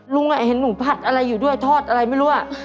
เห็นหนูผัดอะไรอยู่ด้วยทอดอะไรไม่รู้